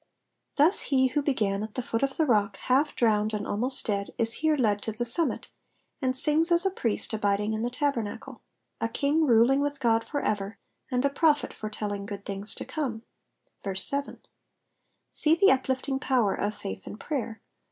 Thus he who began at the foot of the rock, half drowned, and almost dead, is here led to the summit, and sings as a priest abiding in the tabernacle, a king ruling with God for ever, and a prophet foretelling good things to come. (Verse 7.) See the uplifting power of faith and prayer.